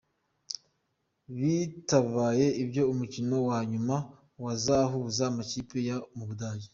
Bitabaye ibyo umukino wa nyuma wazahuza amakipe yo mu Budage.